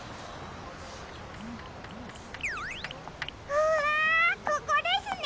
うわここですね！